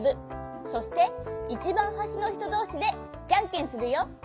そしていちばんはしのひとどうしでじゃんけんするよ！